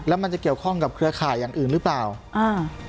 แล้วมันจะเกี่ยวข้องกับเครือข่ายอย่างอื่นหรือเปล่าอ่า